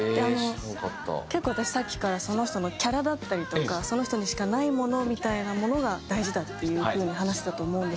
結構私さっきからその人のキャラだったりとかその人にしかないものみたいなものが大事だっていう風に話したと思うんですけど。